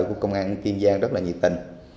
của công an kiên giang rất là nhiệt tình